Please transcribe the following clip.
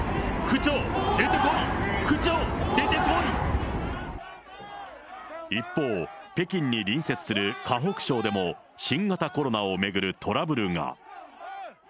区長、一方、北京に隣接する河北省でも、新型コロナを巡るトラブルが。